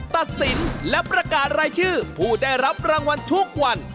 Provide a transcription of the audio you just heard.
ตัดสินและประกาศรายชื่อผู้ได้รับรางวัลทุกวัน